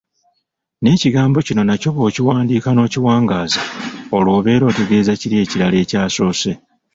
N’ekigambo kino nakyo bw’okiwandiika n’okiwangaaza, olwo obeera otegeeza kiri ekirala ekyasoose.